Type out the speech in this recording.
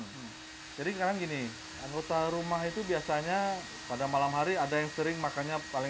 jadi kemungkinan gini anggota rumah itu biasanya pada malam hari ada yang sering makannya perumahan